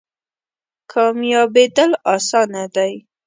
کامیابیدل اسانه دی؟